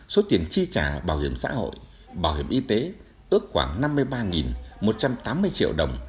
số tiền chi trả bảo hiểm xã hội bảo hiểm y tế ước khoảng năm mươi ba một trăm tám mươi triệu đồng